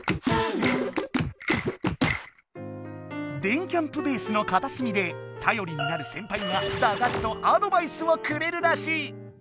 電キャんぷベースのかたすみでたよりになるセンパイがだがしとアドバイスをくれるらしい。